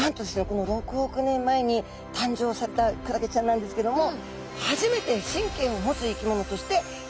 この６億年前に誕生されたクラゲちゃんなんですけども初めて神経を持つ生き物として誕生したそうなんです。